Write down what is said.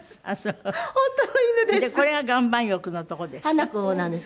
これが岩盤浴のとこですか？